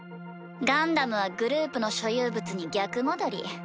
ガンダムはグループの所有物に逆戻り。